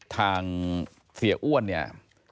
ทางเสียอ้วนเนี่ย